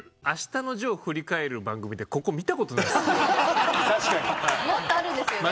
『あしたのジョー』振り返る番組でここ見たことないです。